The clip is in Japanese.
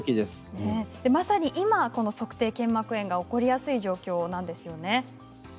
今、足底腱膜炎が起こりやすい状況なんですよね。